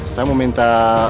saya mau minta